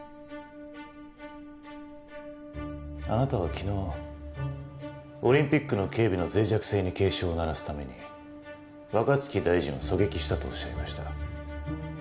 あなたは昨日オリンピックの警備の脆弱性に警鐘を鳴らすために若槻大臣を狙撃したとおっしゃいました。